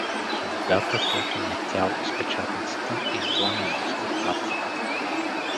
Слугата, който метял из печатницата, изгонил го с метлата.